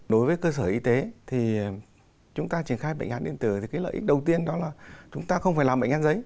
đối với cơ sở y tế thì chúng ta triển khai bệnh án điện tử thì cái lợi ích đầu tiên đó là chúng ta không phải làm bệnh án giấy